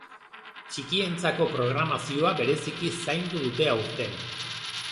Txikientzako programazioa bereziki zaindu dute aurten.